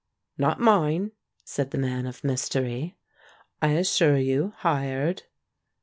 "Not mine," said the Man of Mystery, "I as sure you. Hired."